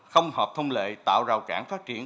không hợp thông lệ tạo rào cản phát triển